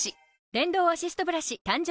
電動アシストブラシ誕生